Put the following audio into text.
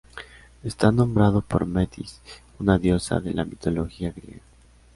Está nombrado por Metis, una diosa de la mitología griega.